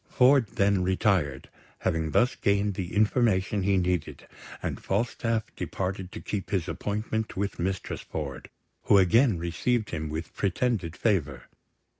Ford then retired, having thus gained the information he needed; and Falstaff departed to keep his appointment with Mistress Ford, who again received him with pretended favour.